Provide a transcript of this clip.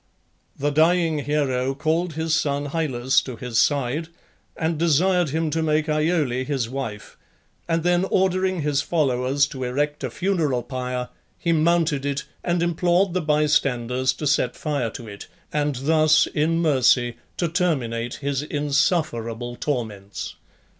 The dying hero called his son Hyllus to his side, and desired him to make Iole his wife, and then ordering his followers to erect a funeral pyre, he mounted it and implored the by standers to set fire to it, and thus in mercy to terminate his insufferable torments.